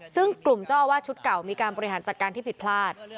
ซึ่งกลุ่มเจ้าอาวาสชุดเก่ามีการบริหารจัดการที่ผิดพลาด